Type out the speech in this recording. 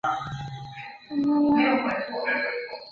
罗马书可能写于哥林多或靠近坚革哩。